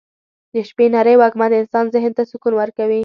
د شپې نرۍ وږمه د انسان ذهن ته سکون ورکوي.